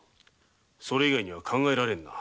それ以外には考えられんな。